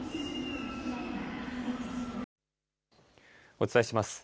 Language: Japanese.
お伝えします。